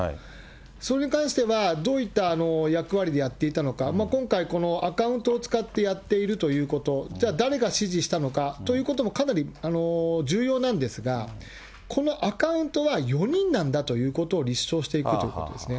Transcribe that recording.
それに関してはどういった役割でやっていたのか、今回、このアカウントを使ってやっているということ、じゃあ誰が指示したのかということもかなり重要なんですが、このアカウントは４人なんだということを立証していくということですね。